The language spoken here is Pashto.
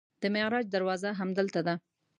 د معراج دروازه همدلته ده.